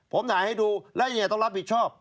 ผมถามให้ดูแล้วอย่างนี้ต้องรับผิดชอบ